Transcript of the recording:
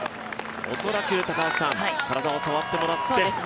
恐らく、高橋さん体を触ってもらって。